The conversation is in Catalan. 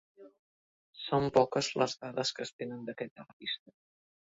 Són poques les dades que es tenen d'aquest artista.